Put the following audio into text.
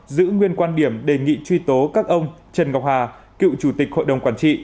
giữ nguyên quan điểm đề nghị truy tố các ông trần ngọc hà cựu chủ tịch hội đồng quản trị